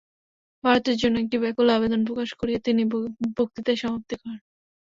ভারতের জন্য একটি ব্যাকুল আবেদন প্রকাশ করিয়া তিনি বক্তৃতার সমাপ্তি করেন।